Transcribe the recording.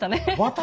私